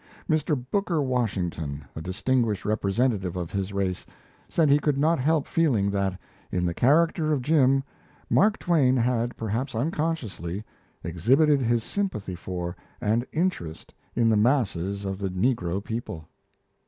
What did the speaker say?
Mr. Booker Washington, a distinguished representative of his race, said he could not help feeling that, in the character of Jim, Mark Twain had, perhaps unconsciously, exhibited his sympathy for and interest in the masses of the negro people.